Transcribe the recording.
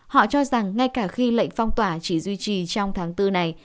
họ cho rằng ngay cả khi lệnh phong tỏa chỉ duy trì trong tháng bốn này